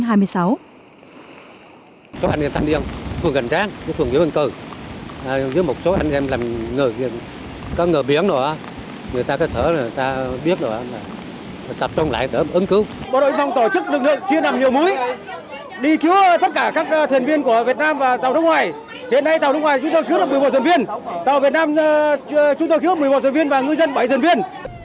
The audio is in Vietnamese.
đi cứu tất cả các thuyền viên của việt nam và tàu nước ngoài hiện nay tàu nước ngoài chúng tôi cứu được một mươi một thuyền viên tàu việt nam chúng tôi cứu được một mươi một thuyền viên và ngư dân bảy thuyền viên